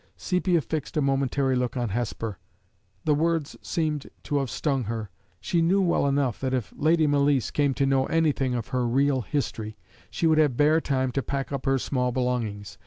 Sepia fixed a momentary look on Hesper; the words seemed to have stung her. She knew well enough that, if Lady Malice came to know anything of her real history, she would have bare time to pack up her small belongings.